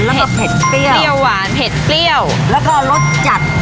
แล้วก็เผ็ดเปรี้ยวหวานเผ็ดเปรี้ยวแล้วก็รสจัดอ่อน